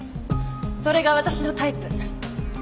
それが私のタイプ。